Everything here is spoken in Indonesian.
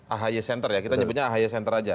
ahy center ya kita nyebutnya ahy center aja